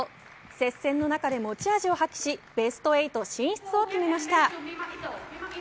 接戦の中で持ち味を発揮しベスト８進出を決めました。